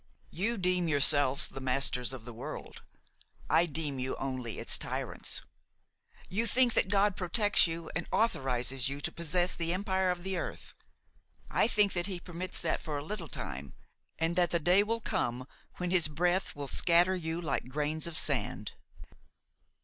You deem yourselves the masters of the world; I deem you only its tyrants. You think that God protects you and authorizes you to possess the empire of the earth; I think that He permits that for a little time, and that the day will come when His breath will scatter you like grains of sand.